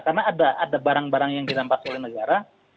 karena ada barang barang yang dirampas oleh negara